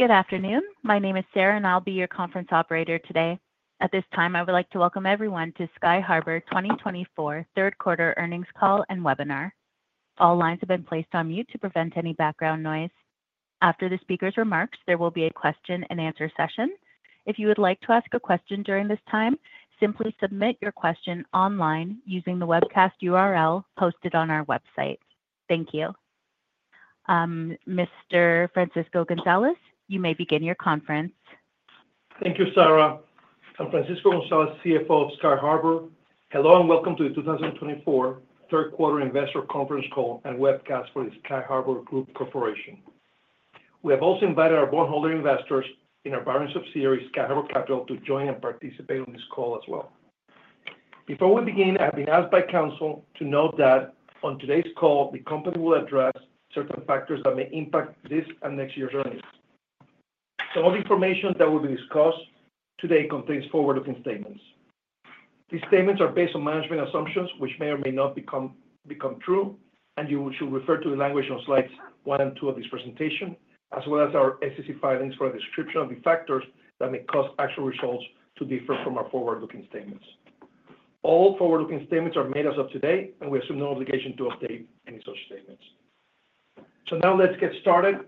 Good afternoon. My name is Sarah, and I'll be your conference operator today. At this time, I would like to welcome everyone to Sky Harbour 2024 third quarter earnings call and webinar. All lines have been placed on mute to prevent any background noise. After the speaker's remarks, there will be a question and answer session. If you would like to ask a question during this time, simply submit your question online using the webcast URL posted on our website. Thank you. Mr. Francisco Gonzalez, you may begin your conference. Thank you, Sarah. I'm Francisco Gonzalez, CFO of Sky Harbour. Hello and welcome to the 2024 third quarter investor conference call and webcast for the Sky Harbour Group Corporation. We have also invited our bondholder investors in our borrowing subsidiary, Sky Harbour Capital, to join and participate in this call as well. Before we begin, I've been asked by counsel to note that on today's call, the company will address certain factors that may impact this and next year's earnings. Some of the information that will be discussed today contains forward-looking statements. These statements are based on management assumptions, which may or may not become true, and you should refer to the language on slides one and two of this presentation, as well as our SEC filings for a description of the factors that may cause actual results to differ from our forward-looking statements. All forward-looking statements are made as of today, and we assume no obligation to update any such statements. So now let's get started.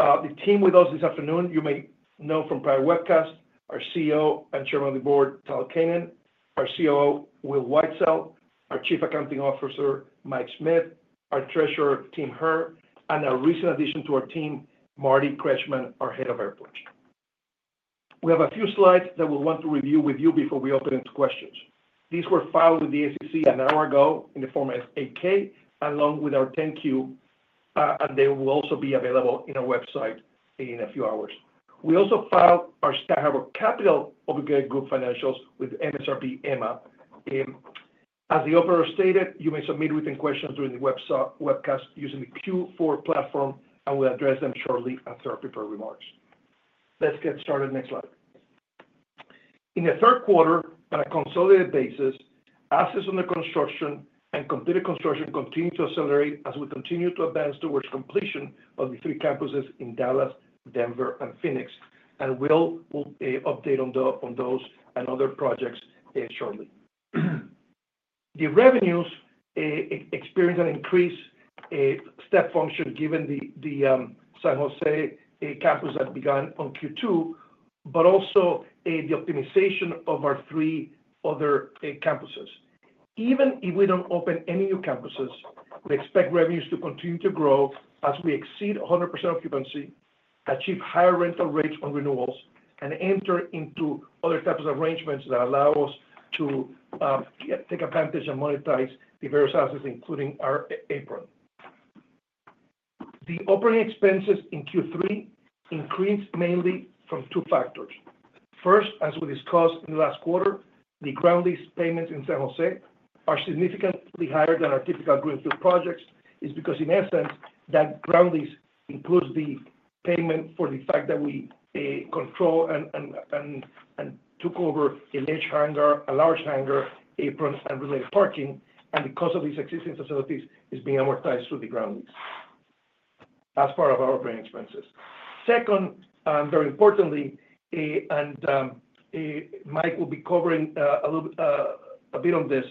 The team with us this afternoon, you may know from prior webcasts, our CEO and Chairman of the Board, Tal Keinan, our COO, Will Whitesell, our Chief Accounting Officer, Mike Schmitt, our Treasurer, Tim Herr, and our recent addition to our team, Marty Kretchman, our Head of Airports. We have a few slides that we want to review with you before we open it to questions. These were filed with the SEC an hour ago in the format of 8-K, along with our 10-Q, and they will also be available on our website in a few hours. We also filed our Sky Harbour Capital Obligated Group financials with MSRB EMMA. As the operator stated, you may submit written questions during the webcast using the Q4 platform, and we'll address them shortly after our prepared remarks. Let's get started. Next slide. In the third quarter, on a consolidated basis, assets under construction and completed construction continue to accelerate as we continue to advance towards completion of the three campuses in Dallas, Denver, and Phoenix, and we'll update on those and other projects shortly. The revenues experienced an increase step function given the San Jose campus that began on Q2, but also the optimization of our three other campuses. Even if we don't open any new campuses, we expect revenues to continue to grow as we exceed 100% occupancy, achieve higher rental rates on renewals, and enter into other types of arrangements that allow us to take advantage and monetize the various assets, including our apron. The operating expenses in Q3 increased mainly from two factors. First, as we discussed in the last quarter, the ground lease payments in San Jose are significantly higher than our typical greenfield projects. It's because, in essence, that ground lease includes the payment for the fact that we control and took over an existing hangar, a large hangar, apron, and related parking, and because of these existing facilities, it's being amortized through the ground lease as part of our operating expenses. Second, and very importantly, and Mike will be covering a bit on this,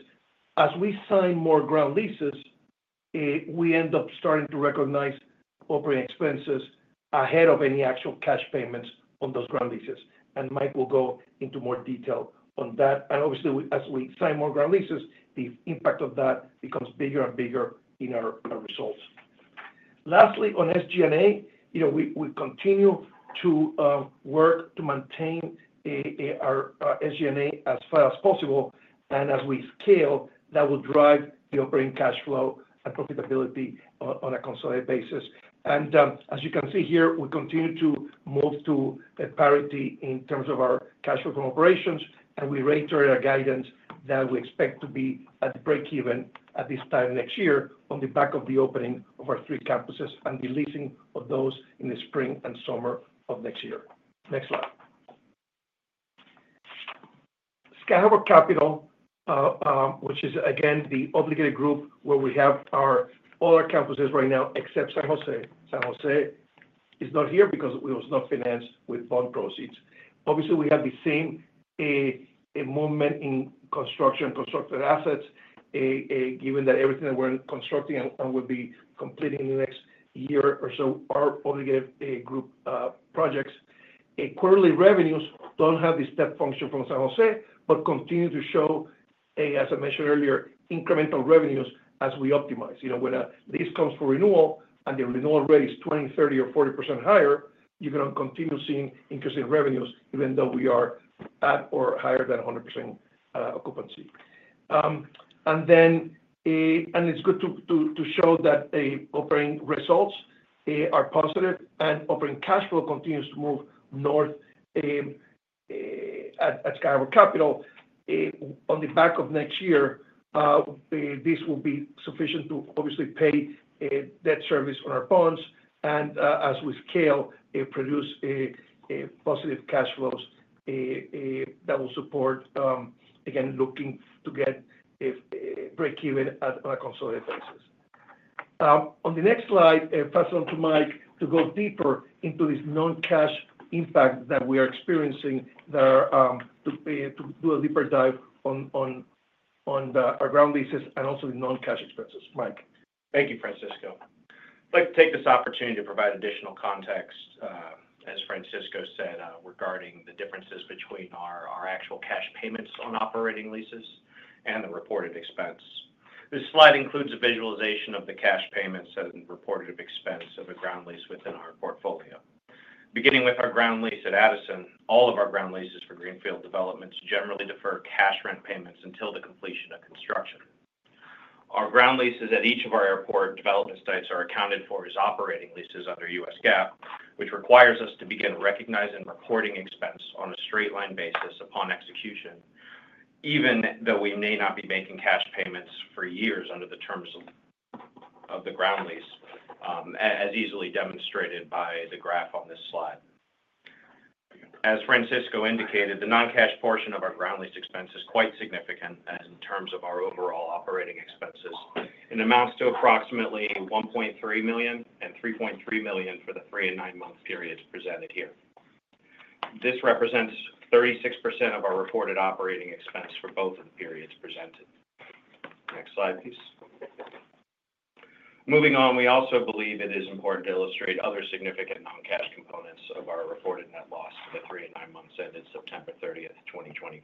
as we sign more ground leases, we end up starting to recognize operating expenses ahead of any actual cash payments on those ground leases, and Mike will go into more detail on that. And obviously, as we sign more ground leases, the impact of that becomes bigger and bigger in our results. Lastly, on SG&A, we continue to work to maintain our SG&A as far as possible, and as we scale, that will drive the operating cash flow and profitability on a consolidated basis, and as you can see here, we continue to move to parity in terms of our cash flow from operations, and we reiterate our guidance that we expect to be at break-even at this time next year on the back of the opening of our three campuses and the leasing of those in the spring and summer of next year. Next slide. Sky Harbour Capital, which is again the obligated group where we have our other campuses right now except San Jose. San Jose is not here because it was not financed with bond proceeds. Obviously, we have the same movement in construction, constructed assets, given that everything that we're constructing and will be completing in the next year or so are obligated group projects. Quarterly revenues don't have the step function from San Jose, but continue to show, as I mentioned earlier, incremental revenues as we optimize. When a lease comes for renewal and the renewal rate is 20%, 30%, or 40% higher, you're going to continue seeing increasing revenues even though we are at or higher than 100% occupancy. And it's good to show that operating results are positive and operating cash flow continues to move north at Sky Harbour Capital. On the back of next year, this will be sufficient to obviously pay debt service on our bonds, and as we scale, produce positive cash flows that will support, again, looking to get break-even on a consolidated basis. On the next slide, I'll pass it on to Mike to go deeper into this non-cash impact that we are experiencing, to do a deeper dive on our ground leases and also the non-cash expenses. Mike. Thank you, Francisco. I'd like to take this opportunity to provide additional context, as Francisco said, regarding the differences between our actual cash payments on operating leases and the reported expense. This slide includes a visualization of the cash payments and reported expense of a ground lease within our portfolio. Beginning with our ground lease at Addison, all of our ground leases for greenfield developments generally defer cash rent payments until the completion of construction. Our ground leases at each of our airport development sites are accounted for as operating leases under U.S. GAAP, which requires us to begin recognizing reported expense on a straight-line basis upon execution, even though we may not be making cash payments for years under the terms of the ground lease, as easily demonstrated by the graph on this slide. As Francisco indicated, the non-cash portion of our ground lease expense is quite significant in terms of our overall operating expenses and amounts to approximately $1.3 million and $3.3 million for the three and nine-month periods presented here. This represents 36% of our reported operating expense for both of the periods presented. Next slide, please. Moving on, we also believe it is important to illustrate other significant non-cash components of our reported net loss for the three and nine months ended September 30th, 2024.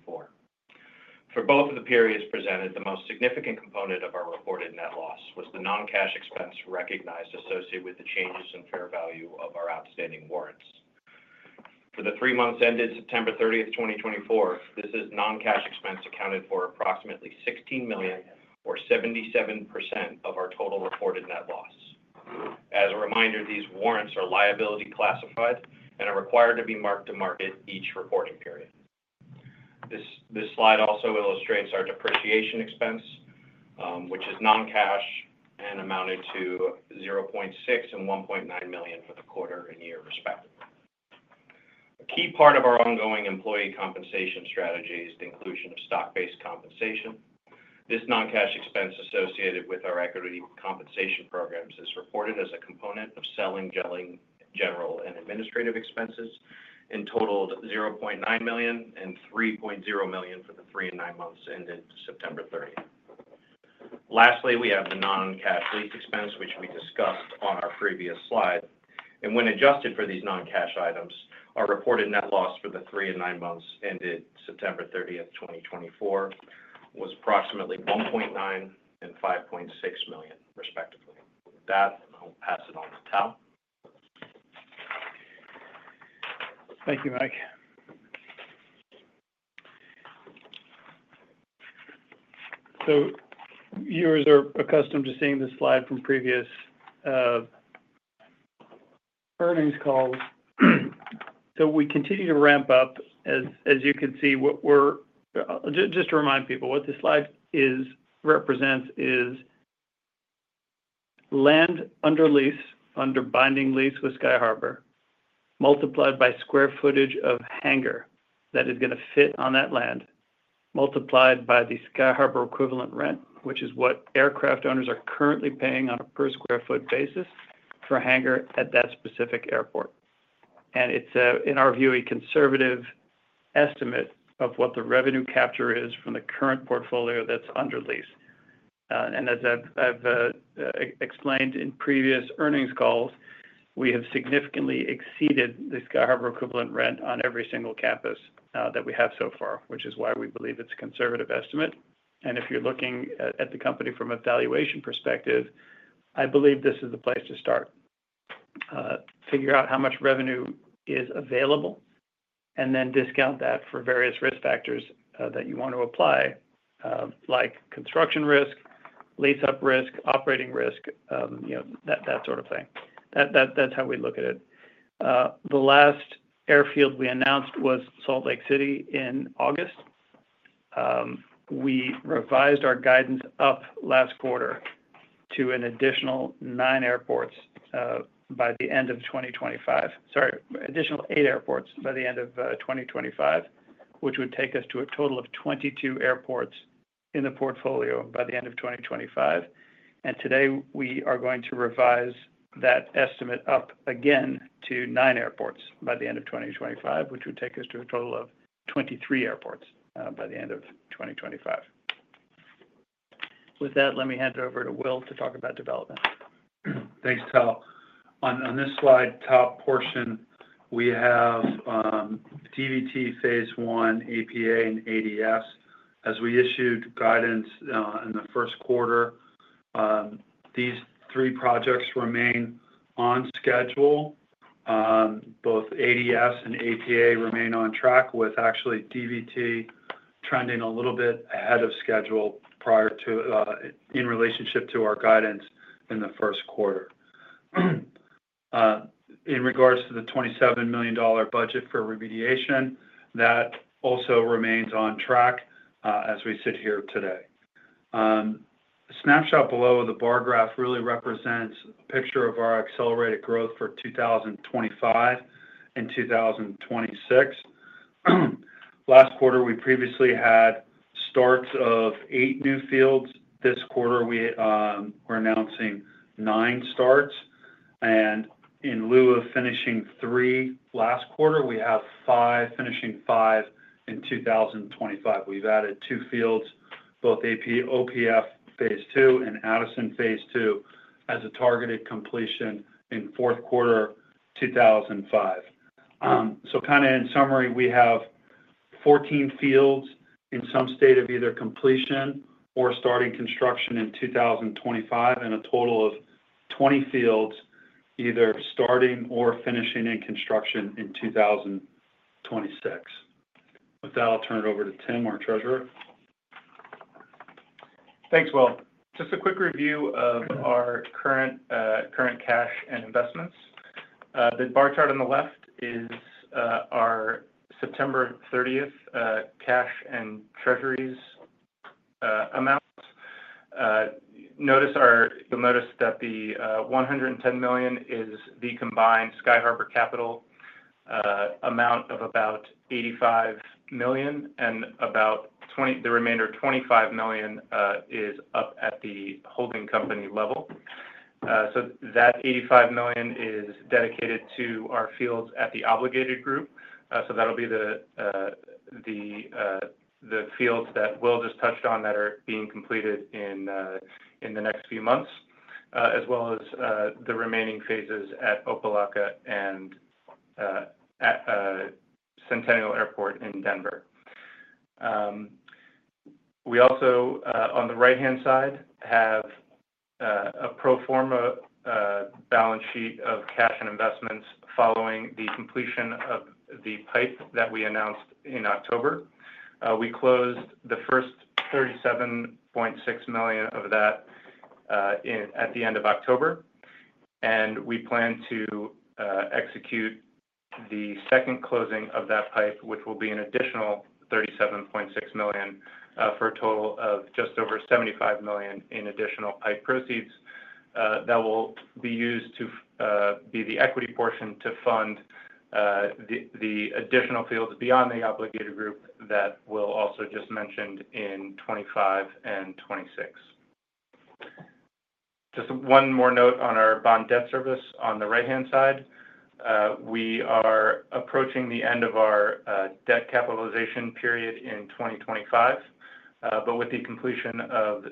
For both of the periods presented, the most significant component of our reported net loss was the non-cash expense recognized associated with the changes in fair value of our outstanding warrants. For the three months ended September 30th, 2024, this is non-cash expense accounted for approximately $16 million, or 77% of our total reported net loss. As a reminder, these warrants are liability classified and are required to be marked to market each reporting period. This slide also illustrates our depreciation expense, which is non-cash and amounted to $0.6 million and $1.9 million for the quarter and year respectively. A key part of our ongoing employee compensation strategy is the inclusion of stock-based compensation. This non-cash expense associated with our equity compensation programs is reported as a component of selling, general and administrative expenses and totaled $0.9 million and $3.0 million for the three and nine months ended September 30th. Lastly, we have the non-cash lease expense, which we discussed on our previous slide, and when adjusted for these non-cash items, our reported net loss for the three and nine months ended September 30th, 2024, was approximately $1.9 million and $5.6 million, respectively. With that, I'll pass it on to Tal. Thank you, Mike. So you're accustomed to seeing this slide from previous earnings calls. So we continue to ramp up. As you can see, just to remind people, what this slide represents is land under lease under binding lease with Sky Harbour multiplied by square footage of hangar that is going to fit on that land, multiplied by the Sky Harbour equivalent rent, which is what aircraft owners are currently paying on a per square foot basis for hangar at that specific airport. And it's, in our view, a conservative estimate of what the revenue capture is from the current portfolio that's under lease. And as I've explained in previous earnings calls, we have significantly exceeded the Sky Harbour equivalent rent on every single campus that we have so far, which is why we believe it's a conservative estimate. If you're looking at the company from a valuation perspective, I believe this is the place to start. Figure out how much revenue is available and then discount that for various risk factors that you want to apply, like construction risk, lease-up risk, operating risk, that sort of thing. That's how we look at it. The last airfield we announced was Salt Lake City in August. We revised our guidance up last quarter to an additional nine airports by the end of 2025, sorry, additional eight airports by the end of 2025, which would take us to a total of 22 airports in the portfolio by the end of 2025. Today, we are going to revise that estimate up again to nine airports by the end of 2025, which would take us to a total of 23 airports by the end of 2025. With that, let me hand it over to Will to talk about development. Thanks, Tal. On this slide, top portion, we have DVT Phase 1, APA, and ADS. As we issued guidance in the first quarter, these three projects remain on schedule. Both ADS and APA remain on track, with actually DVT trending a little bit ahead of schedule in relationship to our guidance in the first quarter. In regards to the $27 million budget for remediation, that also remains on track as we sit here today. A snapshot below of the bar graph really represents a picture of our accelerated growth for 2025 and 2026. Last quarter, we previously had starts of eight new fields. This quarter, we're announcing nine starts. In lieu of finishing three last quarter, we have finishing five in 2025. We've added two fields, both OPF Phase 2 and Addison Phase 2, as a targeted completion in fourth quarter 2025. So kind of in summary, we have 14 fields in some state of either completion or starting construction in 2025, and a total of 20 fields either starting or finishing in construction in 2026. With that, I'll turn it over to Tim, our treasurer. Thanks, Will. Just a quick review of our current cash and investments. The bar chart on the left is our September 30th cash and Treasuries amounts. You'll notice that the $110 million is the combined Sky Harbour Capital amount of about $85 million, and the remainder $25 million is up at the holding company level. So that $85 million is dedicated to our facilities at the obligated group. So that'll be the facilities that Will just touched on that are being completed in the next few months, as well as the remaining phases at Opa-Locka and Centennial Airport in Denver. We also, on the right-hand side, have a pro forma balance sheet of cash and investments following the completion of the PIPE that we announced in October. We closed the first $37.6 million of that at the end of October, and we plan to execute the second closing of that PIPE, which will be an additional $37.6 million for a total of just over $75 million in additional PIPE proceeds that will be used to be the equity portion to fund the additional fields beyond the Obligated Group that Will also just mentioned in 2025 and 2026. Just one more note on our bond debt service on the right-hand side. We are approaching the end of our debt capitalization period in 2025, but with the completion of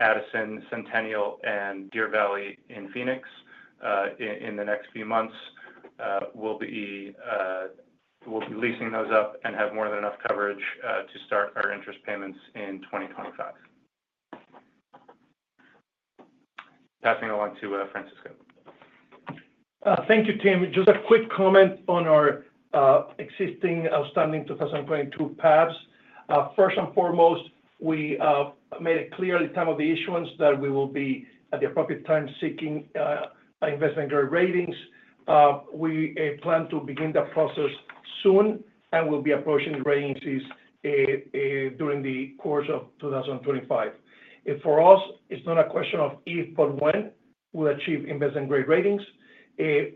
Addison, Centennial, and Deer Valley in Phoenix in the next few months, we'll be leasing those up and have more than enough coverage to start our interest payments in 2025. Passing it on to Francisco. Thank you, Tim. Just a quick comment on our existing outstanding 2022 PABs. First and foremost, we made it clear at the time of the issuance that we will be at the appropriate time seeking investment-grade ratings. We plan to begin that process soon and will be approaching ratings during the course of 2025. For us, it's not a question of if, but when we'll achieve investment-grade ratings.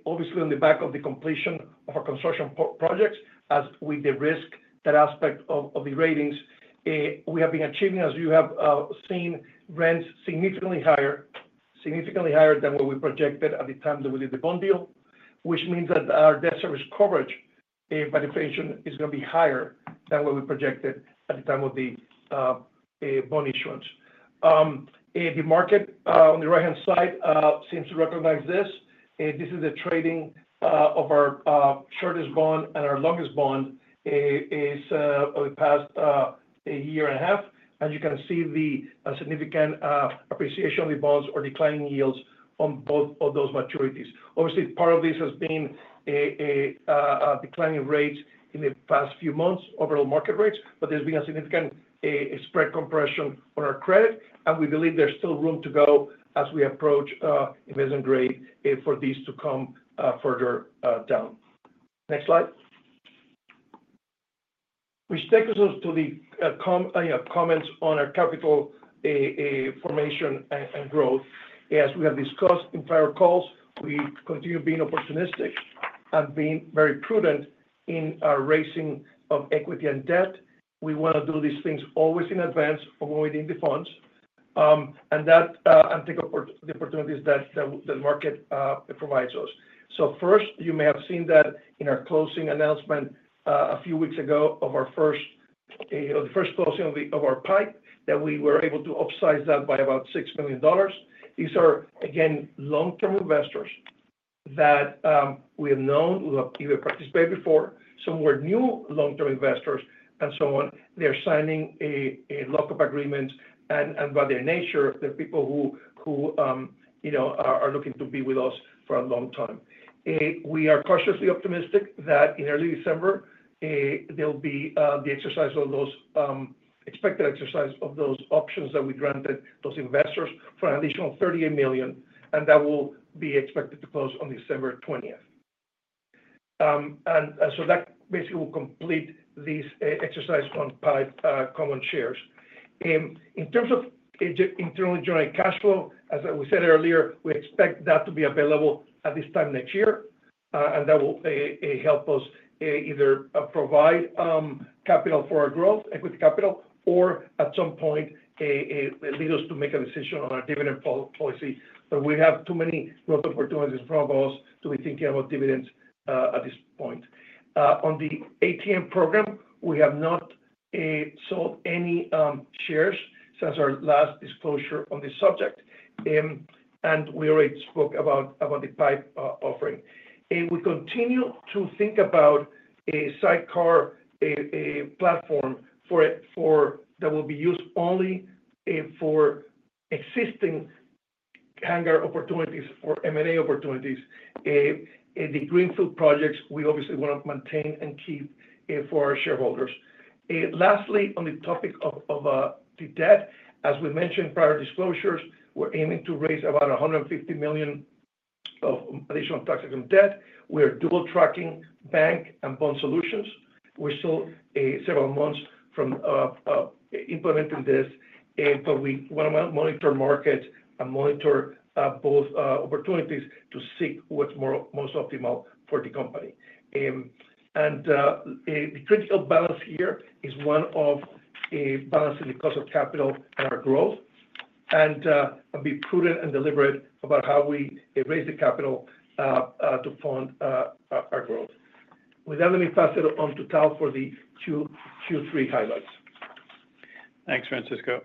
Obviously, on the back of the completion of our construction projects, as with the risk aspect of the ratings, we have been achieving, as you have seen, rents significantly higher, significantly higher than what we projected at the time that we did the bond deal, which means that our debt service coverage valuation is going to be higher than what we projected at the time of the bond issuance. The market on the right-hand side seems to recognize this. This is the trading of our shortest bond and our longest bond over the past year and a half. And you can see the significant appreciation of the bonds or declining yields on both of those maturities. Obviously, part of this has been declining rates in the past few months, overall market rates, but there's been a significant spread compression on our credit. And we believe there's still room to go as we approach investment-grade for these to come further down. Next slide. Which takes us to the comments on our capital formation and growth. As we have discussed in prior calls, we continue being opportunistic and being very prudent in our raising of equity and debt. We want to do these things always in advance of when we need the funds and take the opportunities that the market provides us. First, you may have seen that in our closing announcement a few weeks ago of the first closing of our PIPE that we were able to upsize that by about $6 million. These are, again, long-term investors that we have known, who have either participated before, some who are new long-term investors, and so on. They're signing lock-up agreements, and by their nature, they're people who are looking to be with us for a long time. We are cautiously optimistic that in early December, there'll be the exercise of those expected exercise of those options that we granted those investors for an additional $38 million, and that will be expected to close on December 20th. That basically will complete this exercise on PIPE common shares. In terms of internally generated cash flow, as we said earlier, we expect that to be available at this time next year, and that will help us either provide capital for our growth, equity capital, or at some point, lead us to make a decision on our dividend policy. But we have too many growth opportunities in front of us to be thinking about dividends at this point. On the ATM program, we have not sold any shares since our last disclosure on this subject, and we already spoke about the PIPE offering. We continue to think about a sidecar platform that will be used only for existing hangar opportunities or M&A opportunities. The greenfield projects, we obviously want to maintain and keep for our shareholders. Lastly, on the topic of the debt, as we mentioned in prior disclosures, we're aiming to raise about $150 million of additional tax-exempt debt. We are dual-tracking bank and bond solutions. We're still several months from implementing this, but we want to monitor markets and monitor both opportunities to seek what's most optimal for the company, and the critical balance here is one of balancing the cost of capital and our growth and be prudent and deliberate about how we raise the capital to fund our growth. With that, let me pass it on to Tal for the Q3 highlights. Thanks, Francisco.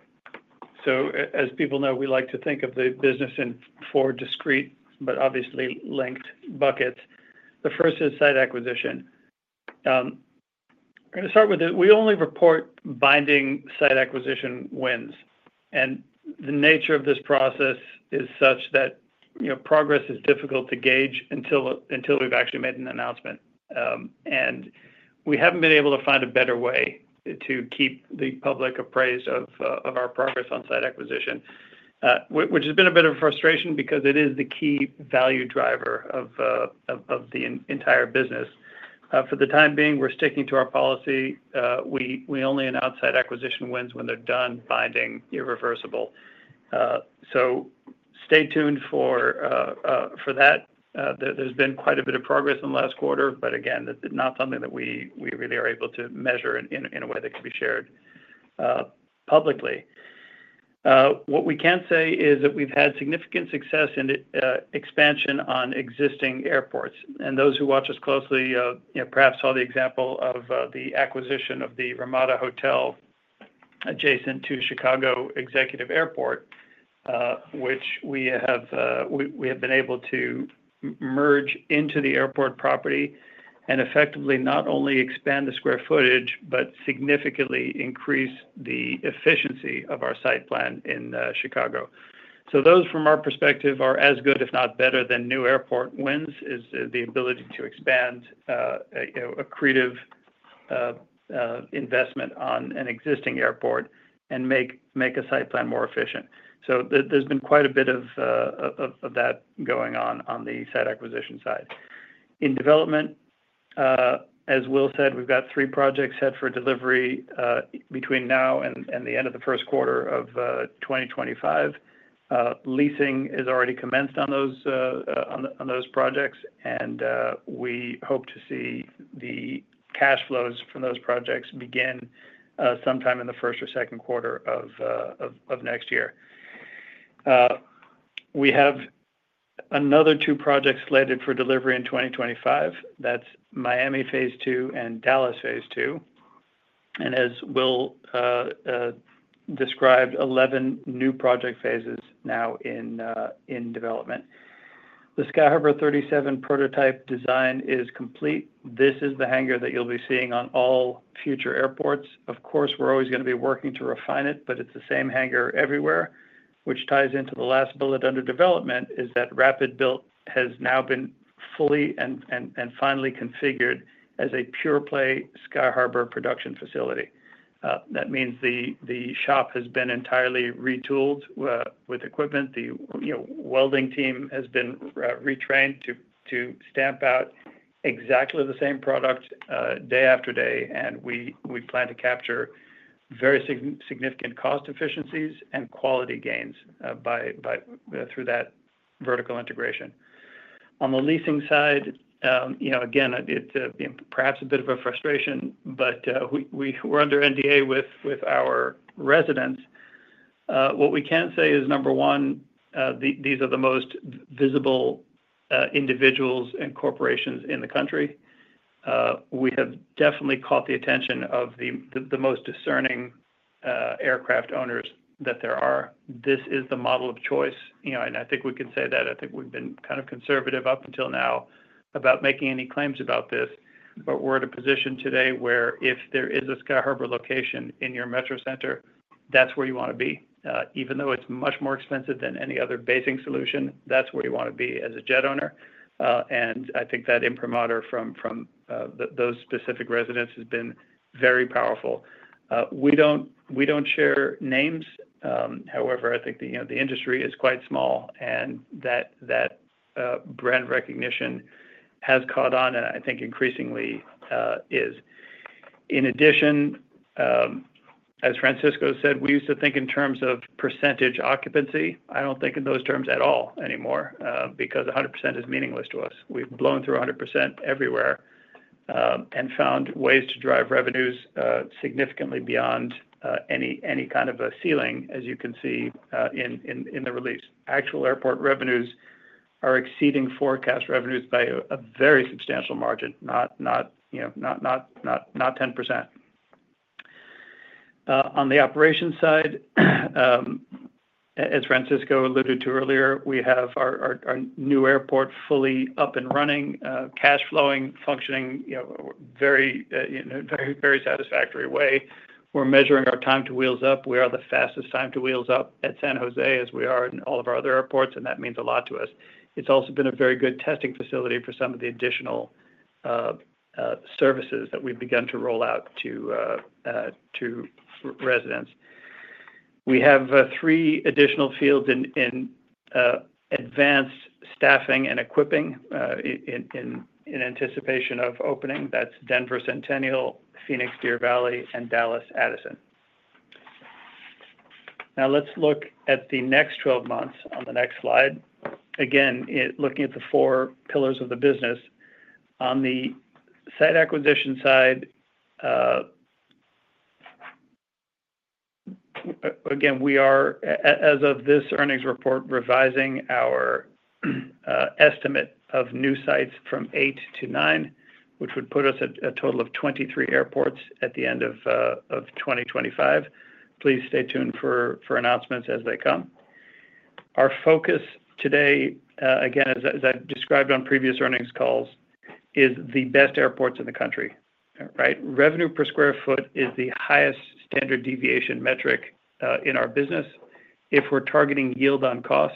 So as people know, we like to think of the business as discrete, but obviously linked buckets. The first is site acquisition. I'm going to start with it. We only report binding site acquisition wins. And the nature of this process is such that progress is difficult to gauge until we've actually made an announcement. And we haven't been able to find a better way to keep the public apprised of our progress on site acquisition, which has been a bit of a frustration because it is the key value driver of the entire business. For the time being, we're sticking to our policy. We only announce site acquisition wins when they're done binding, irreversible. So stay tuned for that. There's been quite a bit of progress in the last quarter, but again, not something that we really are able to measure in a way that can be shared publicly. What we can say is that we've had significant success in expansion on existing airports. And those who watch us closely perhaps saw the example of the acquisition of the Ramada Hotel adjacent to Chicago Executive Airport, which we have been able to merge into the airport property and effectively not only expand the square footage, but significantly increase the efficiency of our site plan in Chicago. So those, from our perspective, are as good, if not better than new airport wins is the ability to expand a creative investment on an existing airport and make a site plan more efficient. So there's been quite a bit of that going on the site acquisition side. In development, as Will said, we've got three projects set for delivery between now and the end of the first quarter of 2025. Leasing is already commenced on those projects, and we hope to see the cash flows from those projects begin sometime in the first or second quarter of next year. We have another two projects slated for delivery in 2025. That's Miami Phase 2 and Dallas Phase 2, and as Will described, 11 new project phases now in development. The Sky Harbour 37 prototype design is complete. This is the hangar that you'll be seeing on all future airports. Of course, we're always going to be working to refine it, but it's the same hangar everywhere, which ties into the last bullet under development, is that RapidBuilt has now been fully and finally configured as a pure-play Sky Harbour production facility. That means the shop has been entirely retooled with equipment. The welding team has been retrained to stamp out exactly the same product day after day. And we plan to capture very significant cost efficiencies and quality gains through that vertical integration. On the leasing side, again, it's perhaps a bit of a frustration, but we're under NDA with our residents. What we can say is, number one, these are the most visible individuals and corporations in the country. We have definitely caught the attention of the most discerning aircraft owners that there are. This is the model of choice. And I think we can say that. I think we've been kind of conservative up until now about making any claims about this. But we're in a position today where if there is a Sky Harbour location in your metro center, that's where you want to be. Even though it's much more expensive than any other basing solution, that's where you want to be as a jet owner. And I think that imprimatur from those specific residents has been very powerful. We don't share names. However, I think the industry is quite small, and that brand recognition has caught on, and I think increasingly is. In addition, as Francisco said, we used to think in terms of percentage occupancy. I don't think in those terms at all anymore because 100% is meaningless to us. We've blown through 100% everywhere and found ways to drive revenues significantly beyond any kind of a ceiling, as you can see in the release. Actual airport revenues are exceeding forecast revenues by a very substantial margin, not 10%. On the operations side, as Francisco alluded to earlier, we have our new airport fully up and running, cash flowing, functioning in a very satisfactory way. We're measuring our time to wheels up. We are the fastest time to wheels up at San Jose as we are in all of our other airports, and that means a lot to us. It's also been a very good testing facility for some of the additional services that we've begun to roll out to residents. We have three additional fields in advanced staffing and equipping in anticipation of opening. That's Denver, Centennial, Phoenix, Deer Valley, and Dallas, Addison. Now, let's look at the next 12 months on the next slide. Again, looking at the four pillars of the business. On the site acquisition side, again, we are, as of this earnings report, revising our estimate of new sites from eight to nine, which would put us at a total of 23 airports at the end of 2025. Please stay tuned for announcements as they come. Our focus today, again, as I've described on previous earnings calls, is the best airports in the country. Revenue per square foot is the highest standard deviation metric in our business. If we're targeting yield on cost,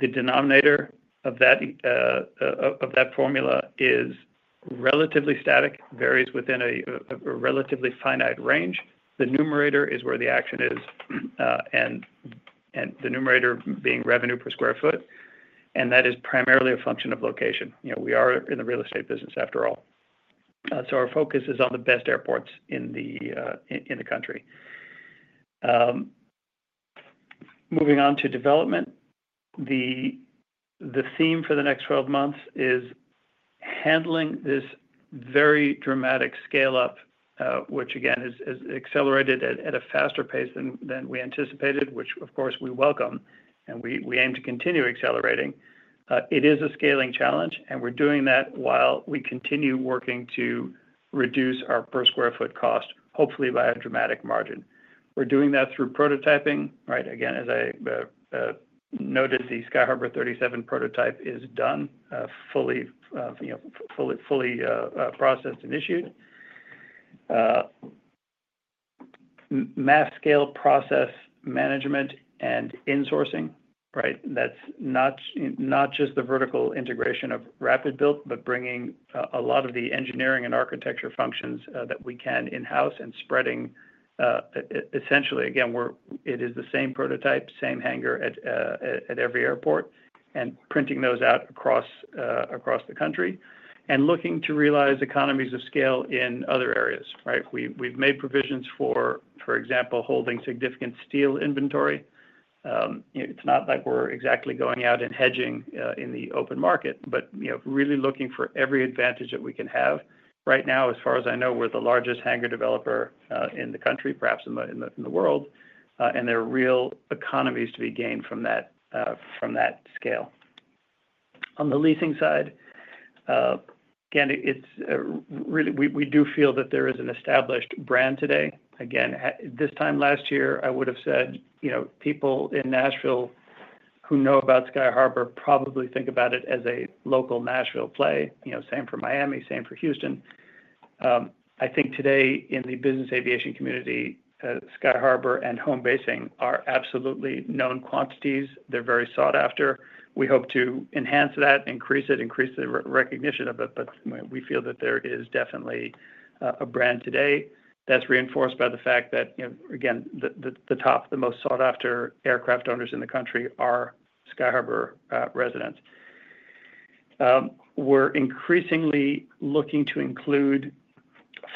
the denominator of that formula is relatively static, varies within a relatively finite range. The numerator is where the action is, and the numerator being revenue per square foot. And that is primarily a function of location. We are in the real estate business, after all. So our focus is on the best airports in the country. Moving on to development, the theme for the next 12 months is handling this very dramatic scale-up, which, again, has accelerated at a faster pace than we anticipated, which, of course, we welcome, and we aim to continue accelerating. It is a scaling challenge, and we're doing that while we continue working to reduce our per square foot cost, hopefully by a dramatic margin. We're doing that through prototyping. Again, as I noted, the Sky Harbour 37 prototype is done, fully processed and issued. Mass scale process management and insourcing. That's not just the vertical integration of RapidBuilt, but bringing a lot of the engineering and architecture functions that we can in-house and spreading essentially. Again, it is the same prototype, same hangar at every airport, and printing those out across the country and looking to realize economies of scale in other areas. We've made provisions for, for example, holding significant steel inventory. It's not like we're exactly going out and hedging in the open market, but really looking for every advantage that we can have. Right now, as far as I know, we're the largest hangar developer in the country, perhaps in the world, and there are real economies to be gained from that scale. On the leasing side, again, we do feel that there is an established brand today. Again, this time last year, I would have said people in Nashville who know about Sky Harbour probably think about it as a local Nashville play. Same for Miami, same for Houston. I think today, in the business aviation community, Sky Harbour and home basing are absolutely known quantities. They're very sought after. We hope to enhance that, increase it, increase the recognition of it, but we feel that there is definitely a brand today that's reinforced by the fact that, again, the top, the most sought-after aircraft owners in the country are Sky Harbour residents. We're increasingly looking to include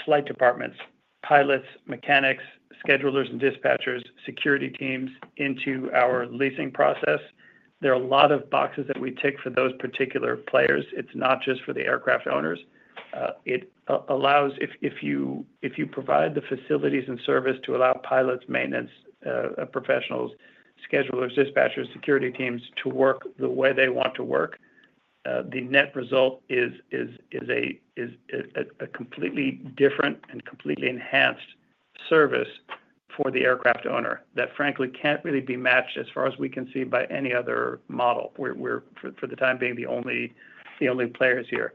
flight departments, pilots, mechanics, schedulers and dispatchers, security teams into our leasing process. There are a lot of boxes that we tick for those particular players. It's not just for the aircraft owners. If you provide the facilities and service to allow pilots, maintenance professionals, schedulers, dispatchers, security teams to work the way they want to work, the net result is a completely different and completely enhanced service for the aircraft owner that, frankly, can't really be matched, as far as we can see, by any other model. We're, for the time being, the only players here.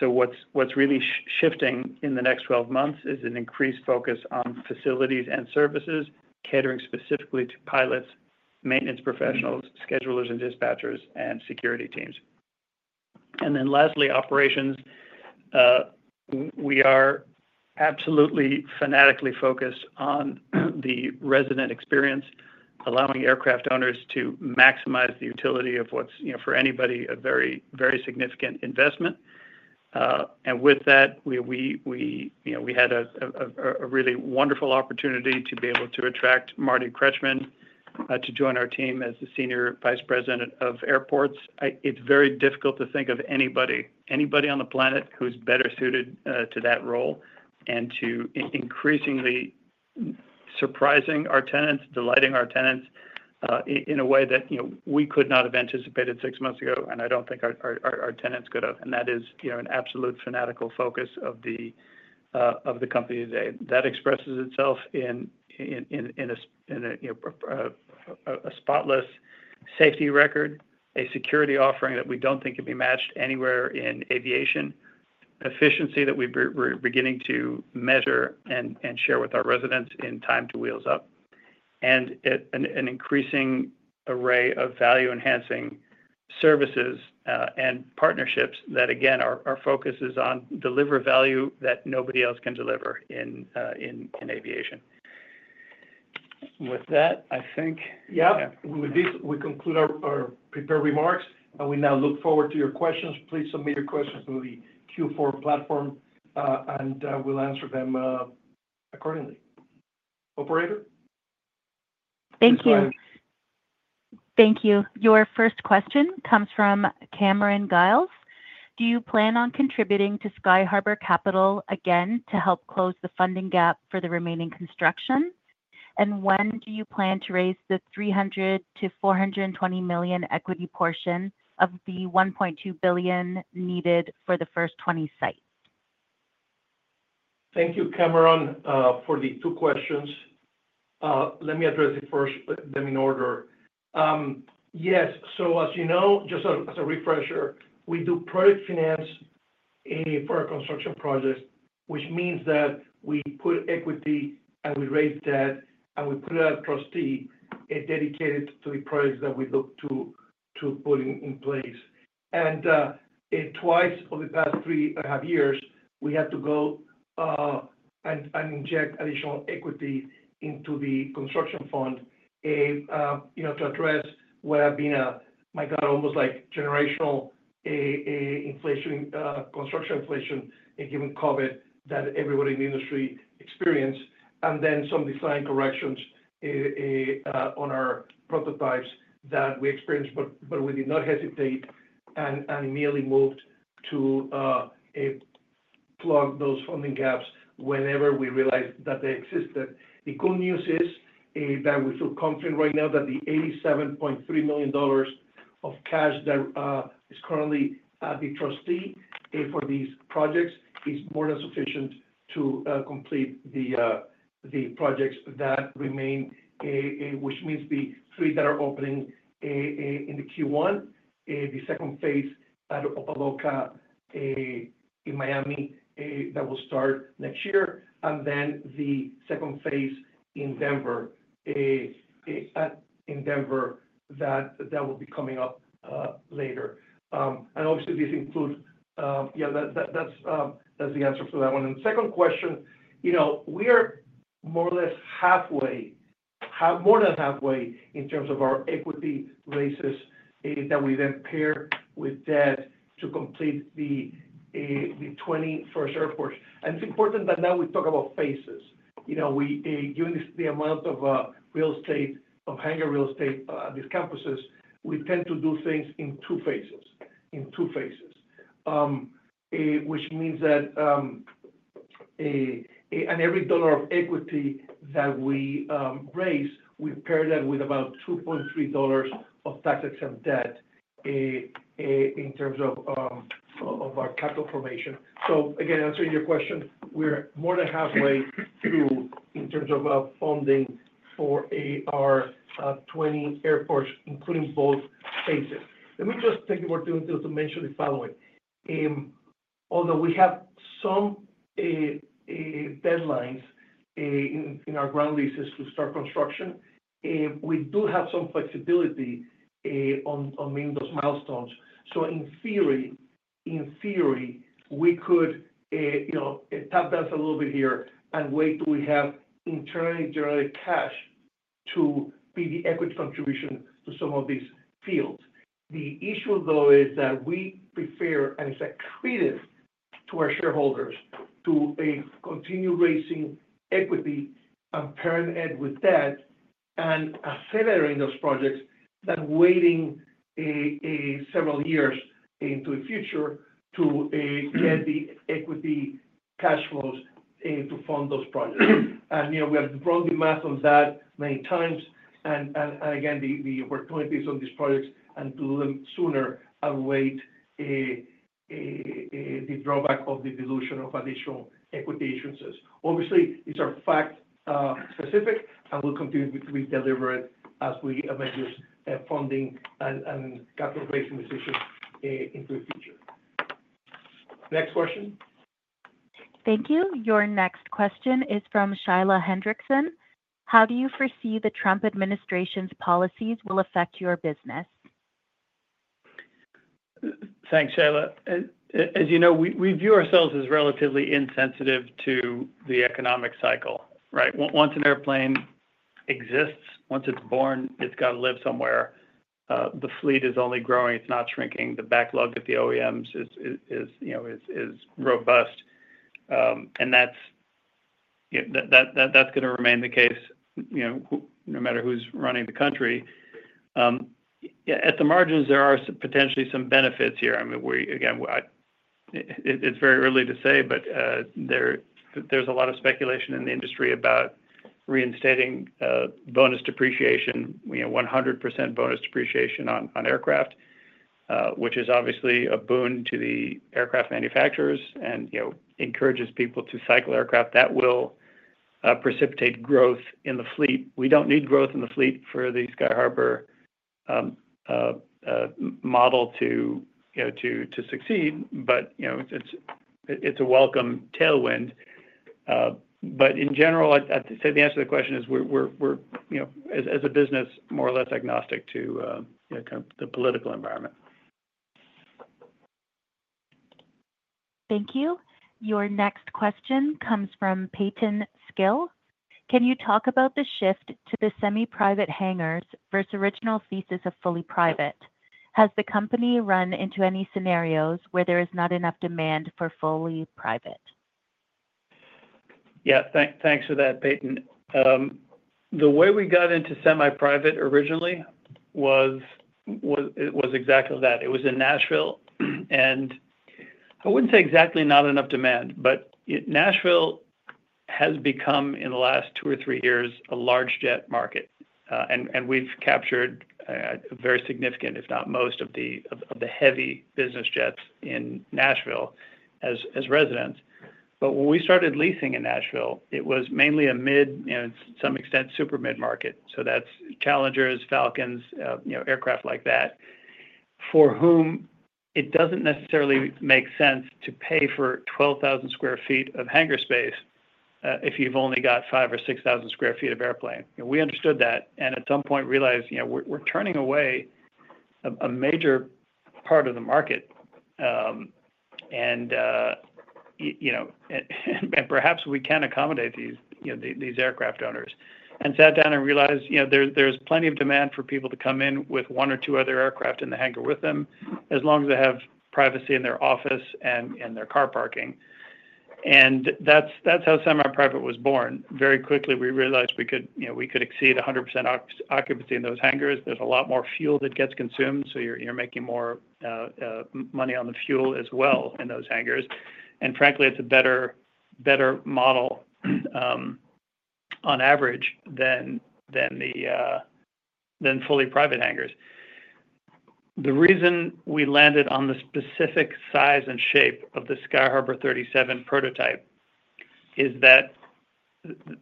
So what's really shifting in the next 12 months is an increased focus on facilities and services catering specifically to pilots, maintenance professionals, schedulers and dispatchers, and security teams. And then lastly, operations. We are absolutely fanatically focused on the resident experience, allowing aircraft owners to maximize the utility of what's, for anybody, a very significant investment. And with that, we had a really wonderful opportunity to be able to attract Marty Kretchman to join our team as the Senior Vice President of Airports. It's very difficult to think of anybody on the planet who's better suited to that role and to increasingly surprising our tenants, delighting our tenants in a way that we could not have anticipated six months ago, and I don't think our tenants could have. And that is an absolute fanatical focus of the company today. That expresses itself in a spotless safety record, a security offering that we don't think can be matched anywhere in aviation, efficiency that we're beginning to measure and share with our residents in time to wheels up, and an increasing array of value-enhancing services and partnerships that, again, our focus is on deliver value that nobody else can deliver in aviation. With that, I think. Yeah. We conclude our prepared remarks, and we now look forward to your questions. Please submit your questions through the Q4 platform, and we'll answer them accordingly. Operator. Thank you. Thank you. Your first question comes from Cameron Giles. Do you plan on contributing to Sky Harbour Capital again to help close the funding gap for the remaining construction? And when do you plan to raise the $300 million-$420 million equity portion of the $1.2 billion needed for the first 20 sites? Thank you, Cameron, for the two questions. Let me address it first, but then in order, yes, so as you know, just as a refresher, we do project finance for our construction projects, which means that we put equity and we raise debt and we put it out across the dedicated to the projects that we look to put in place, and twice over the past three and a half years, we had to go and inject additional equity into the construction fund to address what have been a, my God, almost like generational construction inflation given COVID that everybody in the industry experienced, and then some design corrections on our prototypes that we experienced, but we did not hesitate and immediately moved to plug those funding gaps whenever we realized that they existed. The good news is that we feel confident right now that the $87.3 million of cash that is currently at the trustee for these projects is more than sufficient to complete the projects that remain, which means the three that are opening in the Q1, the second phase at Opa-Locka in Miami that will start next year, and then the second phase in Denver that will be coming up later. And obviously, these include that's the answer for that one. And second question, we are more or less more than halfway in terms of our equity raises that we then pair with debt to complete the 21st airport. And it's important that now we talk about phases. Given the amount of real estate, of hangar real estate at these campuses, we tend to do things in two phases, which means that every dollar of equity that we raise, we pair that with about $2.3 of tax-exempt debt in terms of our capital formation. So, again, answering your question, we're more than halfway through in terms of funding for our 20 airports, including both phases. Let me just take the opportunity to mention the following. Although we have some deadlines in our ground leases to start construction, we do have some flexibility on meeting those milestones. So, in theory, we could tap dance a little bit here and wait till we have internally generated cash to be the equity contribution to some of these fields. The issue, though, is that we prefer, and it's accretive to our shareholders, to continue raising equity and pairing it with debt and accelerating those projects than waiting several years into the future to get the equity cash flows to fund those projects. And we have run the math on that many times. And again, the opportunities on these projects and to do them sooner outweigh the drawback of the dilution of additional equity issuances. Obviously, these are fact-specific, and we'll continue to be deliberate as we make this funding and capital raising decision into the future. Next question. Thank you. Your next question is from Shyla Hendrickson. How do you foresee the Trump administration's policies will affect your business? Thanks, Shyla. As you know, we view ourselves as relatively insensitive to the economic cycle. Once an airplane exists, once it's born, it's got to live somewhere. The fleet is only growing. It's not shrinking. The backlog at the OEMs is robust. And that's going to remain the case no matter who's running the country. At the margins, there are potentially some benefits here. Again, it's very early to say, but there's a lot of speculation in the industry about reinstating bonus depreciation, 100% bonus depreciation on aircraft, which is obviously a boon to the aircraft manufacturers and encourages people to cycle aircraft. That will precipitate growth in the fleet. We don't need growth in the fleet for the Sky Harbour model to succeed, but it's a welcome tailwind. But in general, I'd say the answer to the question is we're, as a business, more or less agnostic to the political environment. Thank you. Your next question comes from Peyton Skill. Can you talk about the shift to the semi-private hangars versus original thesis of fully private? Has the company run into any scenarios where there is not enough demand for fully private? Yeah. Thanks for that, Peyton. The way we got into semi-private originally was exactly that. It was in Nashville, and I wouldn't say exactly not enough demand, but Nashville has become, in the last two or three years, a large jet market. And we've captured a very significant, if not most, of the heavy business jets in Nashville as residents. But when we started leasing in Nashville, it was mainly a mid, to some extent, super mid-market. So that's Challengers, Falcons, aircraft like that, for whom it doesn't necessarily make sense to pay for 12,000 sq ft of hangar space if you've only got 5,000 or 6,000 sq ft of airplane. We understood that and at some point realized we're turning away a major part of the market, and perhaps we can accommodate these aircraft owners. And sat down and realized there's plenty of demand for people to come in with one or two other aircraft in the hangar with them as long as they have privacy in their office and their car parking. And that's how semi-private was born. Very quickly, we realized we could exceed 100% occupancy in those hangars. There's a lot more fuel that gets consumed, so you're making more money on the fuel as well in those hangars. And frankly, it's a better model on average than fully private hangars. The reason we landed on the specific size and shape of the Sky Harbour 37 prototype is that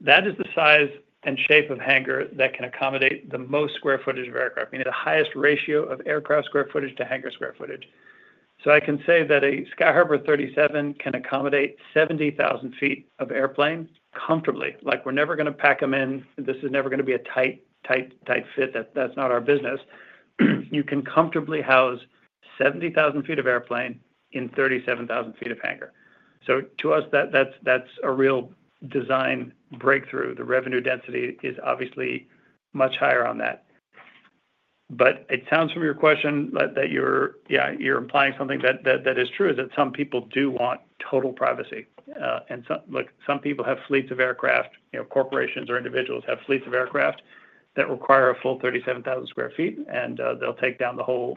that is the size and shape of hangar that can accommodate the most square footage of aircraft. I mean, the highest ratio of aircraft square footage to hangar square footage. So I can say that a Sky Harbour 37 can accommodate 70,000 sq ft of airplane comfortably. We're never going to pack them in. This is never going to be a tight fit. That's not our business. You can comfortably house 70,000 sq ft of airplane in 37,000 sq ft of hangar. So to us, that's a real design breakthrough. The revenue density is obviously much higher on that. But it sounds from your question that you're implying something that is true, that some people do want total privacy. And some people have fleets of aircraft. Corporations or individuals have fleets of aircraft that require a full 37,000 sq ft, and they'll take down the whole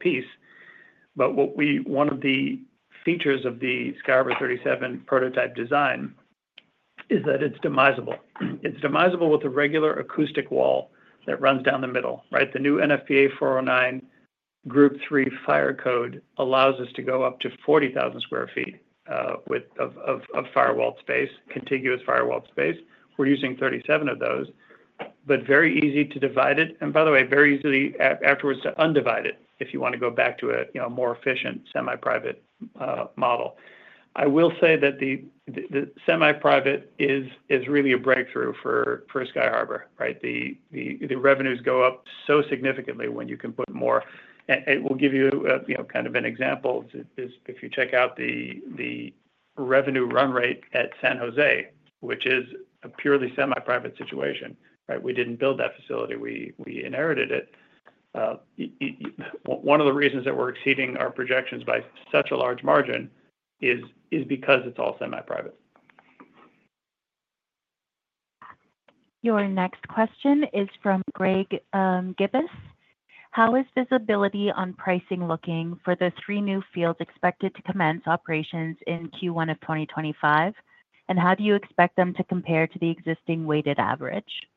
piece. But one of the features of the Sky Harbour 37 prototype design is that it's demisable. It's demisable with a regular acoustic wall that runs down the middle. The new NFPA 409 Group 3 fire code allows us to go up to 40,000 sq ft of firewalled space, contiguous firewalled space. We're using 37 of those, but very easy to divide it, and by the way, very easily afterwards to undivided if you want to go back to a more efficient semi-private model. I will say that the semi-private is really a breakthrough for Sky Harbour. The revenues go up so significantly when you can put more, and it will give you kind of an example. If you check out the revenue run rate at San Jose, which is a purely semi-private situation, we didn't build that facility. We inherited it. One of the reasons that we're exceeding our projections by such a large margin is because it's all semi-private. Your next question is from Greg Gibas. How is visibility on pricing looking for the three new fields expected to commence operations in Q1 of 2025? And how do you expect them to compare to the existing weighted average?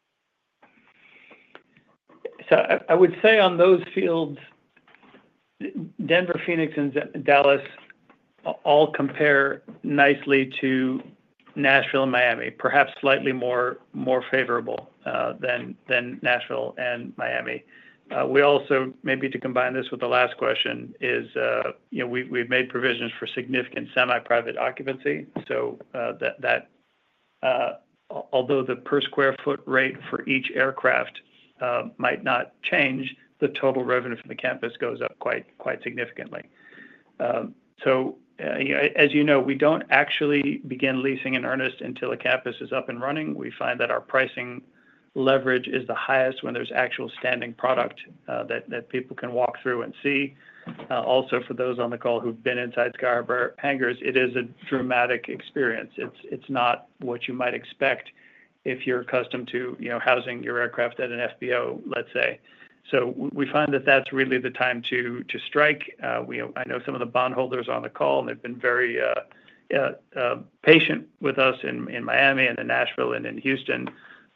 So I would say on those fields, Denver, Phoenix, and Dallas all compare nicely to Nashville and Miami, perhaps slightly more favorable than Nashville and Miami. We also, maybe to combine this with the last question, is we've made provisions for significant semi-private occupancy. So although the per square foot rate for each aircraft might not change, the total revenue for the campus goes up quite significantly. So as you know, we don't actually begin leasing in earnest until a campus is up and running. We find that our pricing leverage is the highest when there's actual standing product that people can walk through and see. Also, for those on the call who've been inside Sky Harbour hangars, it is a dramatic experience. It's not what you might expect if you're accustomed to housing your aircraft at an FBO, let's say. So we find that that's really the time to strike. I know some of the bondholders on the call, and they've been very patient with us in Miami and in Nashville and in Houston,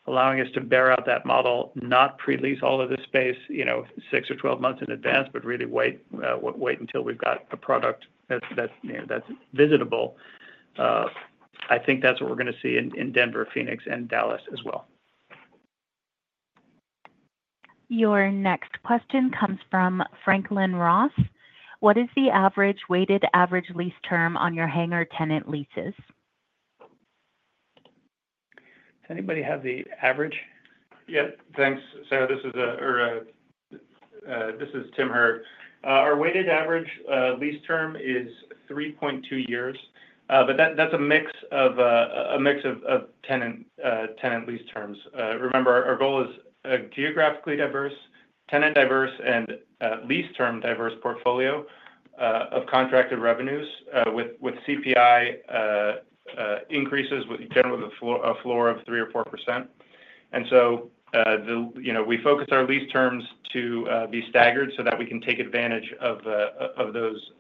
allowing us to bear out that model, not pre-lease all of this space six or 12 months in advance, but really wait until we've got a product that's visitable. I think that's what we're going to see in Denver, Phoenix, and Dallas as well. Your next question comes from Franklin Ross. What is the average weighted average lease term on your hangar tenant leases? Does anybody have the average? Yeah. Thanks. Sarah, this is Tim Herr. Our weighted average lease term is 3.2 years, but that's a mix of tenant lease terms. Remember, our goal is a geographically diverse, tenant diverse, and lease term diverse portfolio of contracted revenues with CPI increases with a general floor of 3% or 4%. And so we focus our lease terms to be staggered so that we can take advantage of those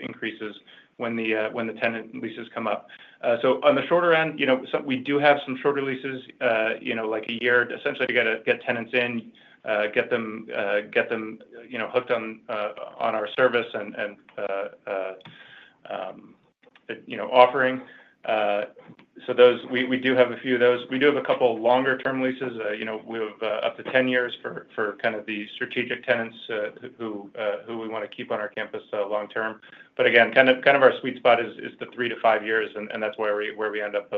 increases when the tenant leases come up. So on the shorter end, we do have some shorter leases like a year. Essentially, you got to get tenants in, get them hooked on our service and offering. So we do have a few of those. We do have a couple of longer-term leases. We have up to 10 years for kind of the strategic tenants who we want to keep on our campus long-term. But again, kind of our sweet spot is the three to five years, and that's where we end up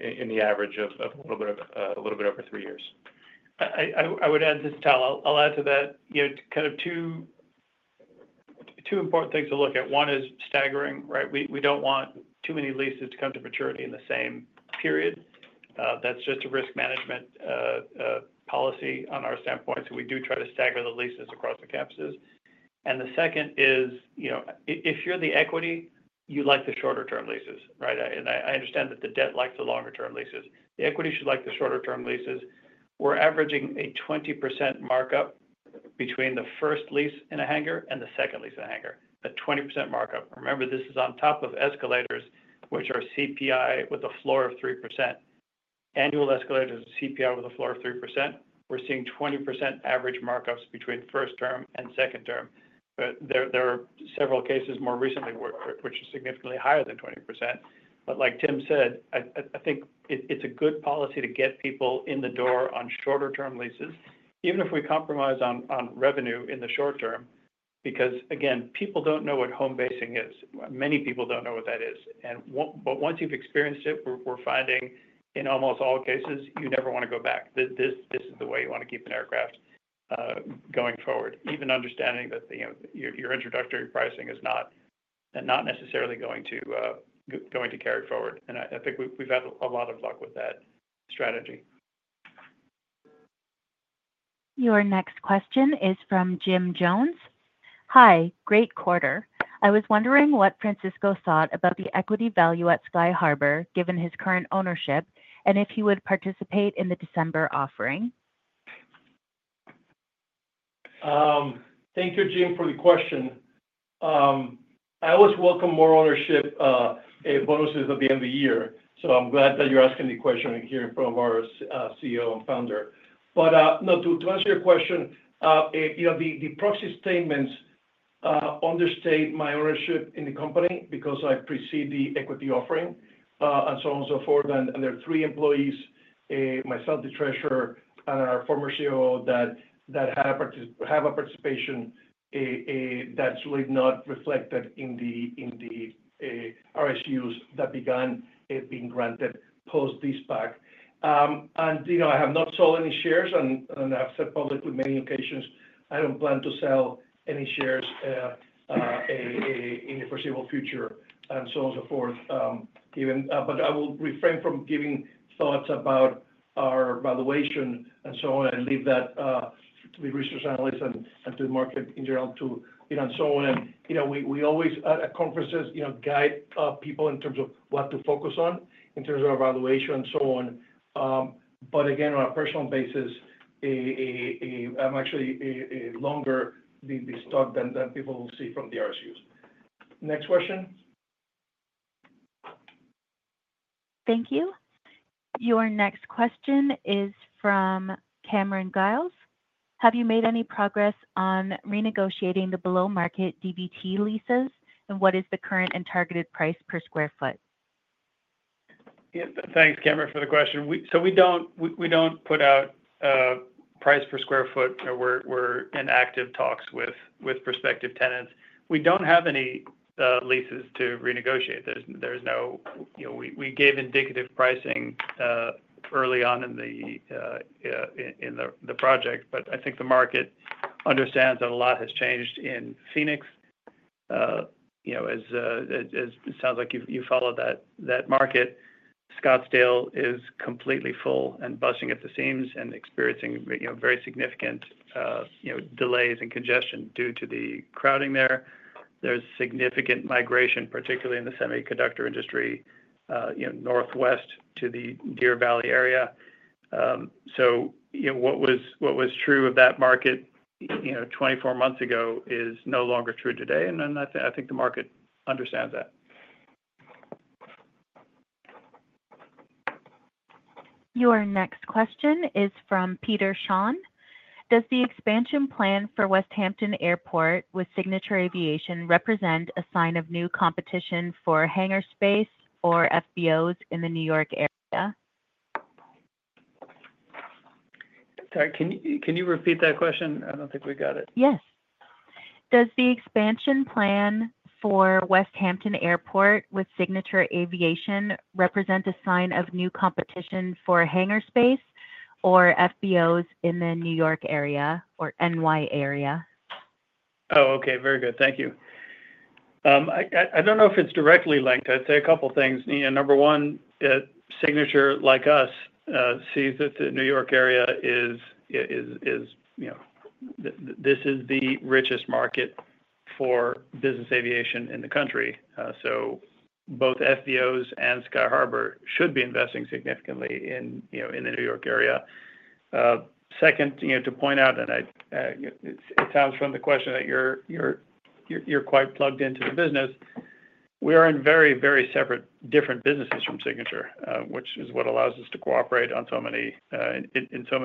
in the average of a little bit of a little bit over three years. I would add, this is Tal. I'll add to that kind of two important things to look at. One is staggering. We don't want too many leases to come to maturity in the same period. That's just a risk management policy from our standpoint. So we do try to stagger the leases across the campuses. And the second is, if you're the equity, you like the shorter-term leases. And I understand that the debt likes the longer-term leases. The equity should like the shorter-term leases. We're averaging a 20% markup between the first lease in a hangar and the second lease in a hangar, a 20% markup. Remember, this is on top of escalators, which are CPI with a floor of 3%. Annual escalators are CPI with a floor of 3%. We're seeing 20% average markups between first term and second term. There are several cases more recently which are significantly higher than 20%. But like Tim said, I think it's a good policy to get people in the door on shorter-term leases, even if we compromise on revenue in the short term, because again, people don't know what home basing is. Many people don't know what that is. But once you've experienced it, we're finding in almost all cases, you never want to go back. This is the way you want to keep an aircraft going forward, even understanding that your introductory pricing is not necessarily going to carry forward. And I think we've had a lot of luck with that strategy. Your next question is from Jim Jones. Hi, great quarter. I was wondering what Francisco thought about the equity value at Sky Harbour given his current ownership and if he would participate in the December offering. Thank you, Jim, for the question. I always welcome more ownership bonuses at the end of the year. So I'm glad that you're asking the question here from our CEO and founder. But to answer your question, the proxy statements understate my ownership in the company because I predate the equity offering and so on and so forth. And there are three employees, myself, the treasurer, and our former COO that have a participation that's really not reflected in the RSUs that began being granted post-deSPAC. And I have not sold any shares, and I've said publicly on many occasions, I don't plan to sell any shares in the foreseeable future and so on and so forth. But I will refrain from giving thoughts about our valuation and so on and leave that to the research analysts and to the market in general too. And so on. And we always, at conferences, guide people in terms of what to focus on in terms of our valuation and so on. But again, on a personal basis, I'm actually longer than the stock than people will see from the RSUs. Next question. Thank you. Your next question is from Cameron Giles. Have you made any progress on renegotiating the below-market DBT leases, and what is the current and targeted price per square foot? Thanks, Cameron, for the question. So we don't put out price per square foot. We're in active talks with prospective tenants. We don't have any leases to renegotiate. There's no, we gave indicative pricing early on in the project, but I think the market understands that a lot has changed in Phoenix. It sounds like you follow that market. Scottsdale is completely full and busting at the seams and experiencing very significant delays and congestion due to the crowding there. There's significant migration, particularly in the semiconductor industry, northwest to the Deer Valley area. So what was true of that market 24 months ago is no longer true today, and I think the market understands that. Your next question is from Peter Shawn. Does the expansion plan for Westhampton Airport with Signature Aviation represent a sign of new competition for hangar space or FBOs in the New York area? Sorry, can you repeat that question? I don't think we got it. Yes. Does the expansion plan for Westhampton Airport with Signature Aviation represent a sign of new competition for hangar space or FBOs in the New York area or NY area? Oh, okay. Very good. Thank you. I don't know if it's directly linked. I'd say a couple of things. Number one, Signature, like us, sees that the New York area is, this is the richest market for business aviation in the country. So both FBOs and Sky Harbour should be investing significantly in the New York area. Second, to point out, and it sounds from the question that you're quite plugged into the business, we are in very, very separate different businesses from Signature, which is what allows us to cooperate in so many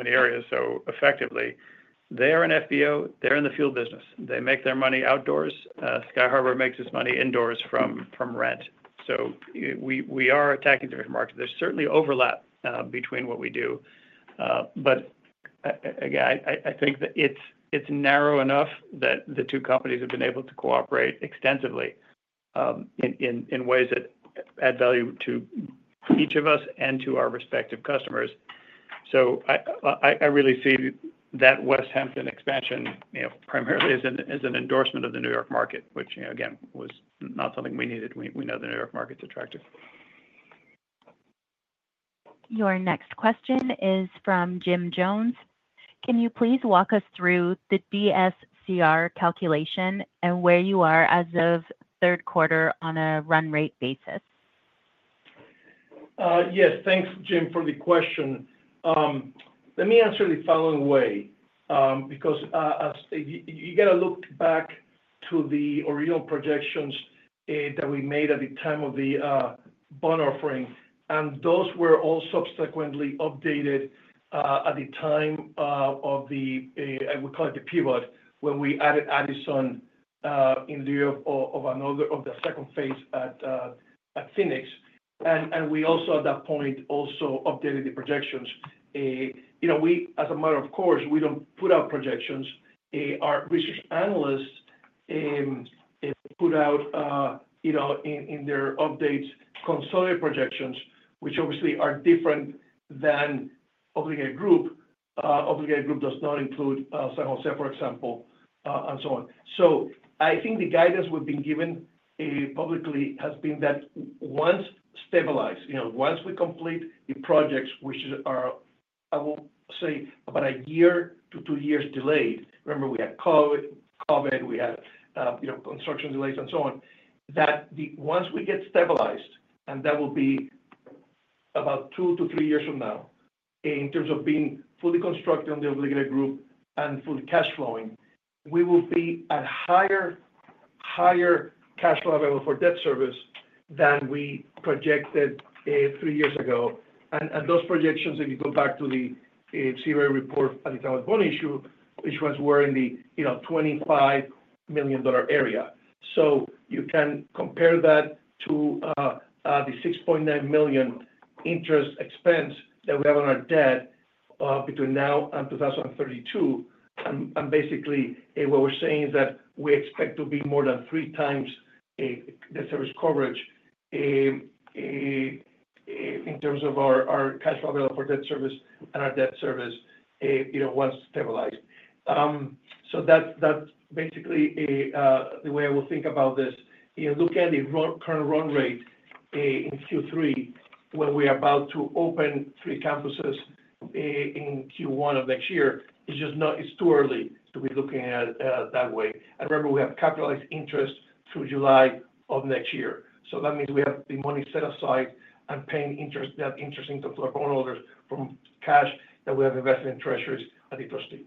areas so effectively. They are an FBO. They're in the field business. They make their money outdoors. Sky Harbour makes its money indoors from rent. So we are attacking different markets. There's certainly overlap between what we do. But again, I think that it's narrow enough that the two companies have been able to cooperate extensively in ways that add value to each of us and to our respective customers. So I really see that Westhampton expansion primarily as an endorsement of the New York market, which, again, was not something we needed. We know the New York market's attractive. Your next question is from Jim Jones. Can you please walk us through the DSCR calculation and where you are as of third quarter on a run rate basis? Yes. Thanks, Jim, for the question. Let me answer the following way because you got to look back to the original projections that we made at the time of the bond offering, and those were all subsequently updated at the time of the (we call it the pivot) when we added Addison in lieu of the second phase at Phoenix, and we also, at that point, also updated the projections. As a matter of course, we don't put out projections. Our research analysts put out, in their updates, consolidated projections, which obviously are different than Obligated Group. Obligated Group does not include San Jose, for example, and so on. So I think the guidance we've been given publicly has been that once stabilized, once we complete the projects, which are, I will say, about a year to two years delayed, remember, we had COVID, we had construction delays, and so on, that once we get stabilized, and that will be about two to three years from now, in terms of being fully constructed on the Obligated Group and fully cash flowing, we will be at higher cash flow available for debt service than we projected three years ago. And those projections, if you go back to the CRA report at the time of the bond issue, which was we're in the $25 million area. So you can compare that to the $6.9 million interest expense that we have on our debt between now and 2032. And basically, what we're saying is that we expect to be more than three times debt service coverage in terms of our cash flow available for debt service and our debt service once stabilized. So that's basically the way I will think about this. Look at the current run rate in Q3 when we are about to open three campuses in Q1 of next year. It's too early to be looking at that way. I remember we have capitalized interest through July of next year. So that means we have the money set aside and paying that interest income to our bondholders from cash that we have invested in Treasuries at the trustee.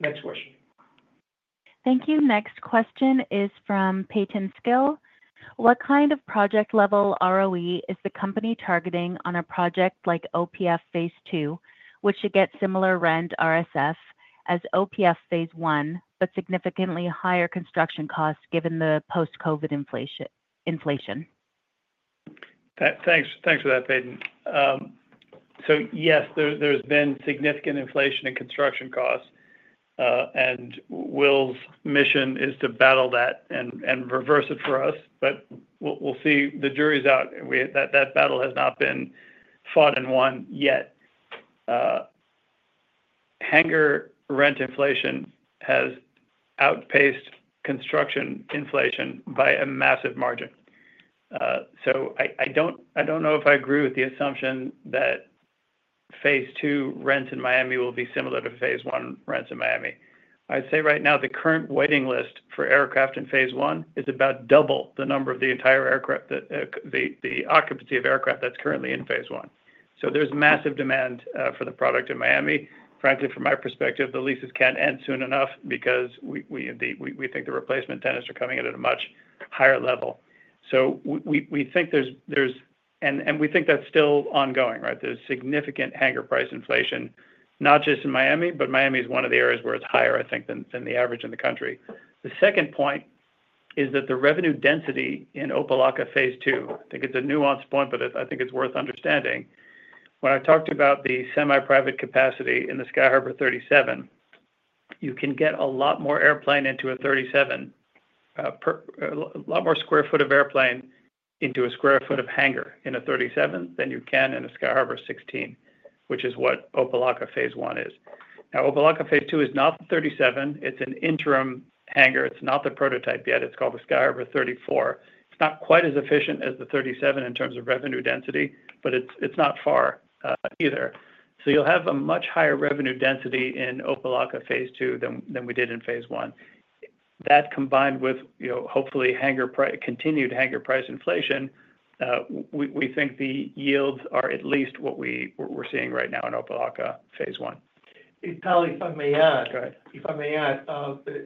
Next question. Thank you. Next question is from Peyton Skill. What kind of project-level ROE is the company targeting on a project like OPF Phase 2, which should get similar rent RSF as OPF Phase 1, but significantly higher construction costs given the post-COVID inflation? Thanks for that, Peyton. So yes, there's been significant inflation in construction costs, and Will's mission is to battle that and reverse it for us. But we'll see. The jury's out. That battle has not been fought and won yet. Hangar rent inflation has outpaced construction inflation by a massive margin. So I don't know if I agree with the assumption that Phase 2 rents in Miami will be similar to Phase 1 rents in Miami. I'd say right now, the current waiting list for aircraft in Phase 1 is about double the number of the entire occupancy of aircraft that's currently in Phase 1. So there's massive demand for the product in Miami. Frankly, from my perspective, the leases can't end soon enough because we think the replacement tenants are coming in at a much higher level. So we think there's, and we think that's still ongoing, right? There's significant hangar price inflation, not just in Miami, but Miami is one of the areas where it's higher, I think, than the average in the country. The second point is that the revenue density in Opa-Locka Phase 2, I think it's a nuanced point, but I think it's worth understanding. When I talked about the semi-private capacity in the Sky Harbour 37, you can get a lot more airplane into a 37, a lot more square foot of airplane into a square foot of hangar in a 37 than you can in a Sky Harbour 16, which is what Opa-Locka Phase 1 is. Now, Opa-Locka Phase 2 is not the 37. It's an interim hangar. It's not the prototype yet. It's called the Sky Harbour 34. It's not quite as efficient as the 37 in terms of revenue density, but it's not far either. So you'll have a much higher revenue density in Opa-Locka Phase 2 than we did in Phase 1. That combined with hopefully continued hangar price inflation, we think the yields are at least what we're seeing right now in Opa-Locka Phase 1. It's probably if I may add. Go ahead. If I may add,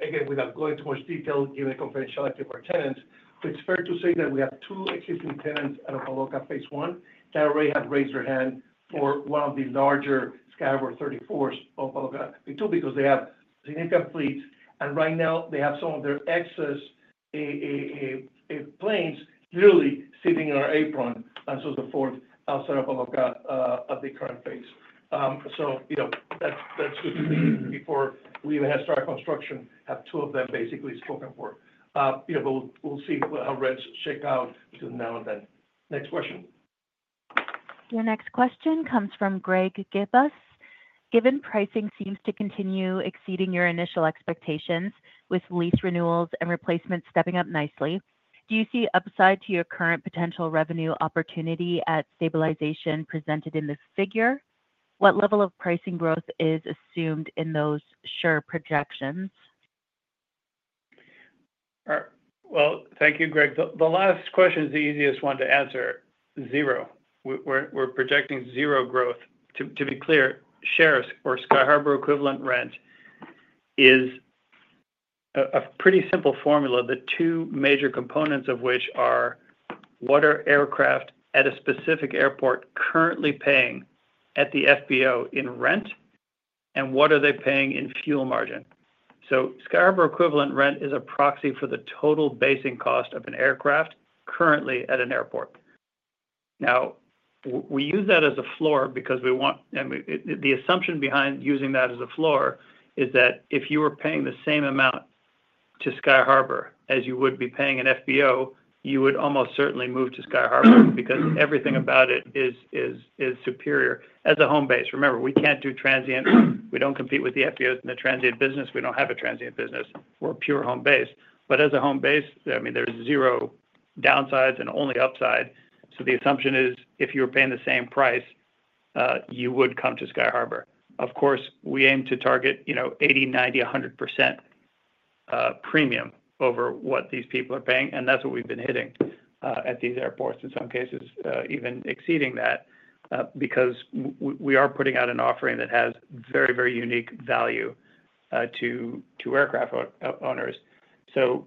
again, without going too much detail, giving a confidentiality to our tenants, it's fair to say that we have two existing tenants at Opa-Locka Phase 1 that already have raised their hand for one of the larger Sky Harbour 34s of Opa-Locka Phase 2 because they have significant fleets. And right now, they have some of their excess planes literally sitting in our apron. And so the fourth outside of Opa-Locka at the current phase. So that's good to see before we even have started construction, have two of them basically spoken for. But we'll see how rents shake out from now and then. Next question. Your next question comes from Greg Gibas. Given pricing seems to continue exceeding your initial expectations, with lease renewals and replacements stepping up nicely, do you see upside to your current potential revenue opportunity at stabilization presented in this figure? What level of pricing growth is assumed in those your projections? Well, thank you, Greg. The last question is the easiest one to answer. Zero. We're projecting zero growth. To be clear, SHER, or Sky Harbour equivalent rent, is a pretty simple formula, the two major components of which are what aircraft at a specific airport currently paying at the FBO in rent and what are they paying in fuel margin. So Sky Harbour equivalent rent is a proxy for the total basing cost of an aircraft currently at an airport. Now, we use that as a floor because we want, the assumption behind using that as a floor is that if you were paying the same amount to Sky Harbour as you would be paying an FBO, you would almost certainly move to Sky Harbour because everything about it is superior. As a home base, remember, we can't do transient. We don't compete with the FBOs in the transient business. We don't have a transient business. We're a pure home base. But as a home base, I mean, there's zero downsides and only upside. So the assumption is if you were paying the same price, you would come to Sky Harbour. Of course, we aim to target 80%, 90%, 100% premium over what these people are paying, and that's what we've been hitting at these airports in some cases, even exceeding that because we are putting out an offering that has very, very unique value to aircraft owners. So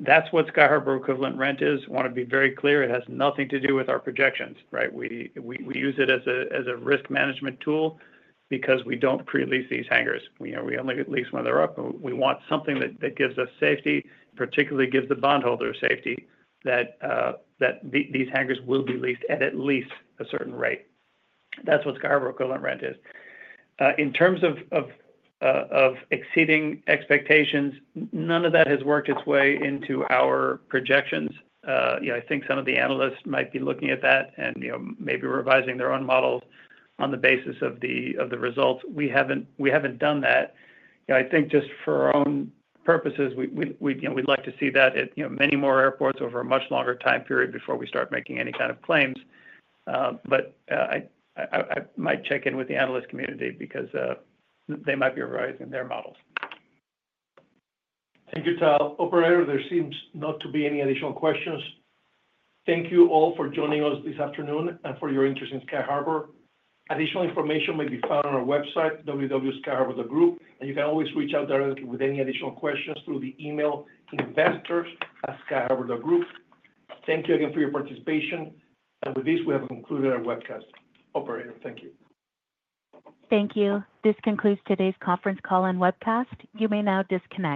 that's what Sky Harbour equivalent rent is. I want to be very clear. It has nothing to do with our projections, right? We use it as a risk management tool because we don't pre-lease these hangars. We only lease when they're up. We want something that gives us safety, particularly gives the bondholders safety, that these hangars will be leased at at least a certain rate. That's what Sky Harbour equivalent rent is. In terms of exceeding expectations, none of that has worked its way into our projections. I think some of the analysts might be looking at that and maybe revising their own models on the basis of the results. We haven't done that. I think just for our own purposes, we'd like to see that at many more airports over a much longer time period before we start making any kind of claims. But I might check in with the analyst community because they might be revising their models. Thank you, Tal. Operator, there seems not to be any additional questions. Thank you all for joining us this afternoon and for your interest in Sky Harbour. Additional information may be found on our website, www.skyharbour.group, and you can always reach out directly with any additional questions through the email investors@skyharbour.group. Thank you again for your participation. And with this, we have concluded our webcast. Operator, thank you. Thank you. This concludes today's conference call and webcast. You may now disconnect.